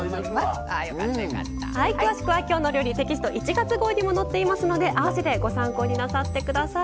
詳しくは「きょうの料理」テキスト１月号にも載っていますので併せてご参考になさって下さい。